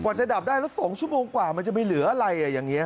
จะดับได้แล้ว๒ชั่วโมงกว่ามันจะไปเหลืออะไรอย่างนี้